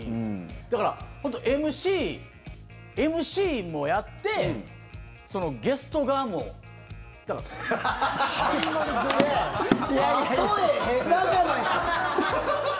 だから、本当、ＭＣもやってそのゲスト側も。例え下手じゃないですか？